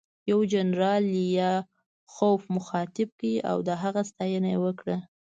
یو جنرال لیاخوف مخاطب کړ او د هغه ستاینه یې وکړه